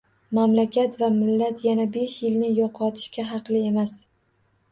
Mamlakat va millat yana besh yilni yo'qotishga haqli emas